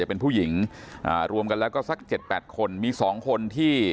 จะเป็นผู้หญิงอ่ารวมกันแล้วก็สักเจ็ดแปดคนมีสองคนที่